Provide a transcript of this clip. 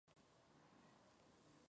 En ese partido anotó dos goles.